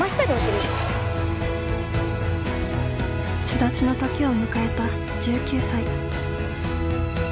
巣立ちのときを迎えた１９歳。